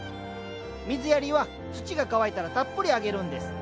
水やりは土が乾いたらたっぷりあげるんです。